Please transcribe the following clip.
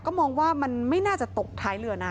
ก็มองว่ามันไม่น่าจะตกท้ายเรือนะ